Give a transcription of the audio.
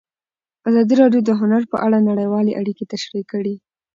ازادي راډیو د هنر په اړه نړیوالې اړیکې تشریح کړي.